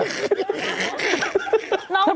น้องคนี้